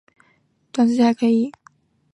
短时间可能还可以